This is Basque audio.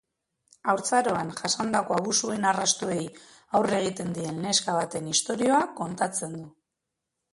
Haurtzaroan jasandako abusuen arrastoei aurre egiten dien neska baten istorioa kontatzen du.